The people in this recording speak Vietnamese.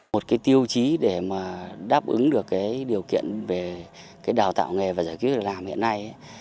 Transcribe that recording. một tiêu chí để đáp ứng được điều kiện về đào tạo nghề và giải quyết việc làm hiện nay